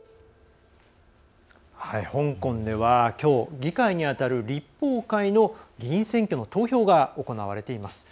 香港ではきょう議会にあたる立法会の議員選挙の投票が行われています。